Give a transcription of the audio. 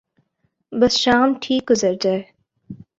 بس شام ٹھیک گزر جائے۔